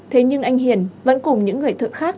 thế nhưng anh hiển vẫn cùng những người thượng khác